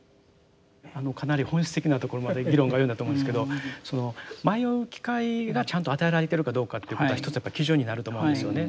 かなり本質的なところまで議論が及んだと思うんですけど迷う機会がちゃんと与えられてるかどうかということは一つやっぱり基準になると思うんですよね。